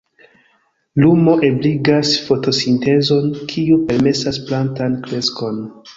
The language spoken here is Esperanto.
Lumo ebligas fotosintezon, kiu permesas plantan kreskon.